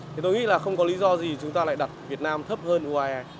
thì tôi nghĩ là không có lý do gì chúng ta lại đặt việt nam thấp hơn uae